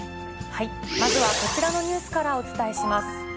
まずはこちらのニュースからお伝えします。